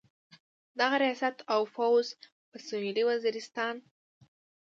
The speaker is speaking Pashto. دغه ریاست او فوځ په سویلي وزیرستان.